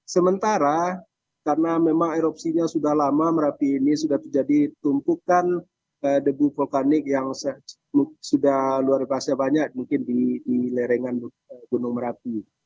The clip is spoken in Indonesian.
sementara karena memang erupsinya sudah lama merapi ini sudah terjadi tumpukan debu vulkanik yang sudah luar biasa banyak mungkin di lerengan gunung merapi